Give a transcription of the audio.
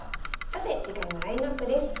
さて次回のラインナップです。